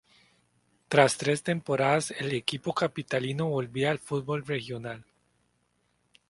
Tras tres temporadas el equipo capitalino volvía al fútbol regional.